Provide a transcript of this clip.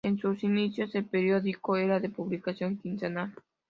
En sus inicios, el periódico era de publicación quincenal.